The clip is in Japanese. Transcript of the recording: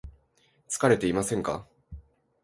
疲れていませんか